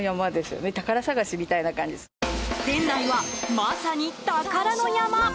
店内は、まさに宝の山。